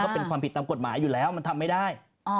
เป็นความผิดตามกฎหมายอยู่แล้วมันทำไม่ได้